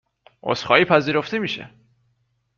عذر خواهی پذیرفته میشه